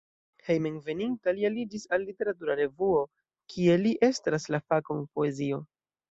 Hejmenveninta li aliĝis al literatura revuo, kie li estras la fakon poezio.